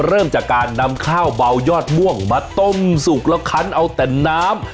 เริ่มจากการนำข้าวเบายอดม่วงมาต้มสุกแล้วคันเอาแต่น้ำ